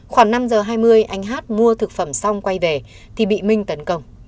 khoảng năm giờ hai mươi anh hát mua thực phẩm xong quay về thì bị minh tấn công